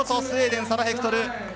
スウェーデン、サラ・ヘクトル。